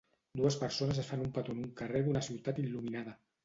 Dues persones es fan un petó en un carrer d'una ciutat il·luminada.